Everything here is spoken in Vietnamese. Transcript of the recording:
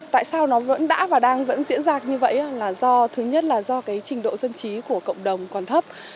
tại sao nó vẫn đã và đang vẫn diễn ra như vậy là do thứ nhất là do cái trình độ dân trí của cộng đồng còn thấp